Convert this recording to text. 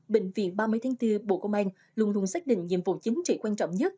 bệnh viện ba mươi tháng bốn bộ công an luôn luôn xác định nhiệm vụ chính trị quan trọng nhất